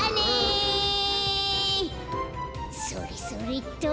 それそれっと。